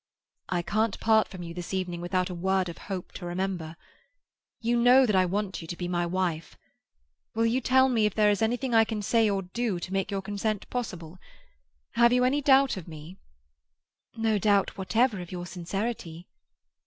"I can't part from you this evening without a word of hope to remember. You know that I want you to be my wife. Will you tell me if there is anything I can say or do to make your consent possible? Have you any doubt of me?" "No doubt whatever of your sincerity."